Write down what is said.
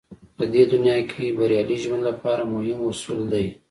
په دې دنيا کې بريالي ژوند لپاره مهم اصول دی.